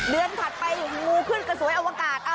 ถัดไปงูขึ้นกระสวยอวกาศ